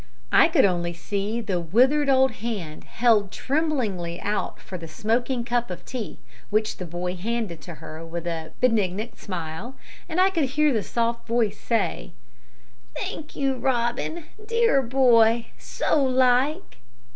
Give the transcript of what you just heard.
I could only see the withered old hand held tremblingly out for the smoking cup of tea, which the boy handed to her with a benignant smile, and I could hear the soft voice say "Thank you, Robin dear boy so like!"